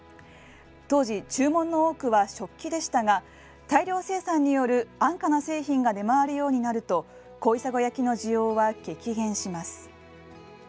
当時、注文の多くは食器でしたが大量生産による安価な製品が出回るようになると小砂焼の需要は激減します。